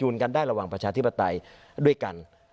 ระหว่างประชาธิปไตยด้วยกัน